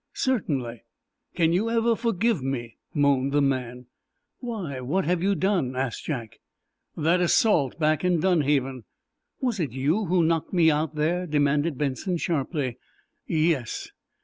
"Certainly." "Can you ever forgive me?" moaned the man. "Why, what have you done?" asked Jack. "That assault back in Dunhaven—" "Was it you who knocked me out there?" demanded Benson sharply. "Yes."